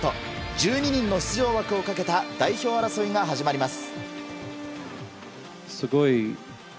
１２人の出場枠をかけた代表争いが始まります。